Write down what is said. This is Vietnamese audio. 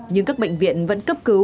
nhưng các bệnh viện vẫn cấp cứu